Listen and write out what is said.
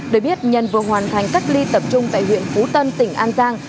để biết nhân vừa hoàn thành cách ly tập trung tại huyện phú tân tỉnh an giang